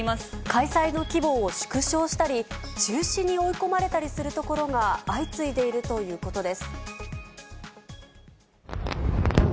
開催の規模を縮小したり、中止に追い込まれたりする所が相次いでいるということです。